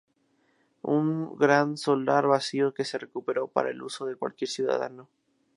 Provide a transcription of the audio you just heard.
Un gran solar vacío que se recuperó para el uso de cualquier ciudadano.